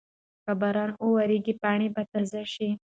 که باران وورېږي پاڼه به تازه شي.